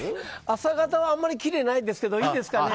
朝方はあんまりキレないですけどいいですかね？